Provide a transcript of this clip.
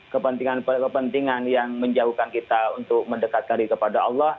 kepentingan kepentingan yang menjauhkan kita untuk mendekatkan diri kepada allah